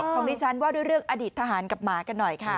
ของดิฉันว่าด้วยเรื่องอดีตทหารกับหมากันหน่อยค่ะ